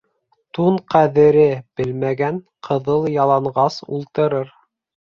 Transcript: Тун ҡәҙере белмәгән ҡыҙыл яланғас ултырыр